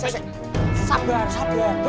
jauh jauh jauh